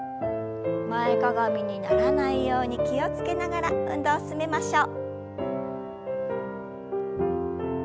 前かがみにならないように気を付けながら運動を進めましょう。